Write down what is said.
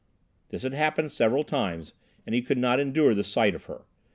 This had happened several times, and he could not endure the sight of her.